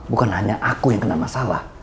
bukan hanya aku yang kena masalah